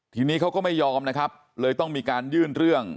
ทีนี้เขาก็ไม่ยอมนะครับเลยต้องมีการยื่นเรื่อง